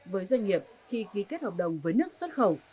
với doanh nghiệp khi ký kết hợp đồng với nước xuất khẩu